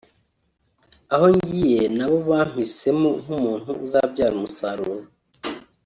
aho ngiye na bo bampisemo nk’umuntu uzabyara umusaruro